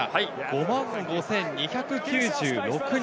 ５万５２９６人。